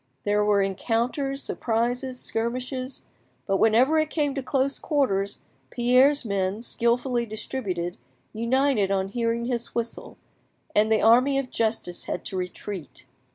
There were encounters, surprises, skirmishes; but whenever it came to close quarters, Pierre's men, skilfully distributed, united on hearing his whistle, and the Army of justice had to retreat.